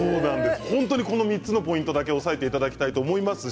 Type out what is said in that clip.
この３つのポイントだけ押さえていただきたいと思います。